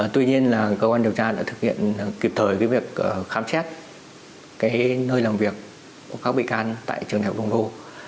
tuy nhiên là cơ quan điều tra đã thực hiện kịp thời việc khám xét nơi làm việc của các bị can tại trường đại học phong